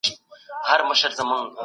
دوی په خپلو سياسي پريکړو کي خام وو.